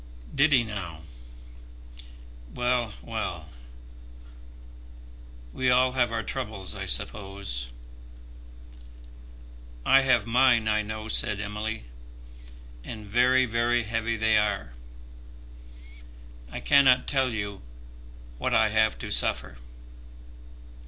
"Did he now? Well, well. We all have our troubles, I suppose." "I have mine, I know," said Emily, "and very, very heavy they are. I cannot tell you what I have to suffer."